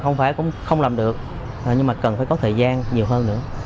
không phải cũng không làm được nhưng mà cần phải có thời gian nhiều hơn nữa